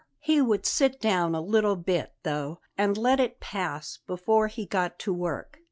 He would sit down a little bit, though, and let it pass before he got to work.